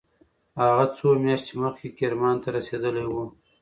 هغه څو میاشتې مخکې کرمان ته رسېدلی و.